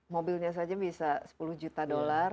mobilnya saja bisa sepuluh juta dolar